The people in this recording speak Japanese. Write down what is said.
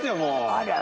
ありゃ。